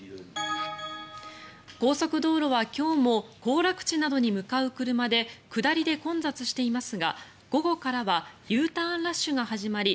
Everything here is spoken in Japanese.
高速道路は今日も行楽地などに向かう車で下りで混雑していますが午後からはＵターンラッシュが始まり